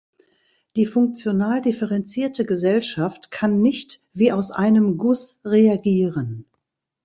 Die funktional differenzierte Gesellschaft kann nicht „wie aus einem Guss reagieren“.